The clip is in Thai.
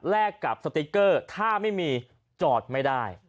กับสติ๊กเกอร์ถ้าไม่มีจอดไม่ได้